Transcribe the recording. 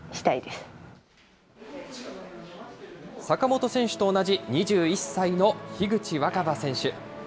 坂本選手と同じ２１歳の樋口新葉選手。